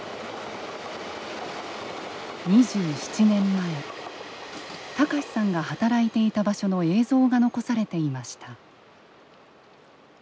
２７年前隆さんが働いていた場所の映像が残されていました。